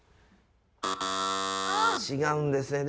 違うんですね。